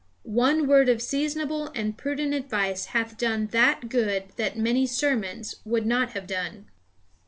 One word of seasonable and prudent advice hath done that good that many sermons would not have done."